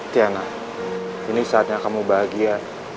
tiana ini saatnya kamu bahagia